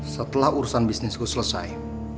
setelah urusan bisnisku selesai